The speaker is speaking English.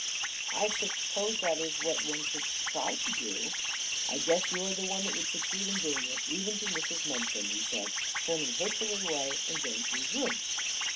"I suppose that is what one should try to do." "I guess you are the one that would succeed in doing it, even to Mrs. Mumpson," he said, turning hastily away and going to his room.